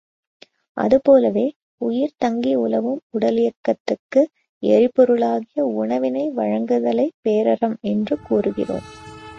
அதுபோலவே, உயிர் தங்கி உலவும் உடலியக்கத்துக்கு எரிபொருளாகிய உணவினை வழங்குதலைப் பேரறம் என்று கூறுகிறோம்.